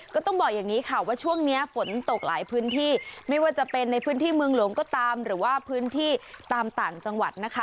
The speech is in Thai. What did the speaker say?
ก็ต้องบอกอย่างนี้ค่ะว่าช่วงนี้ฝนตกหลายพื้นที่ไม่ว่าจะเป็นในพื้นที่เมืองหลวงก็ตามหรือว่าพื้นที่ตามต่างจังหวัดนะคะ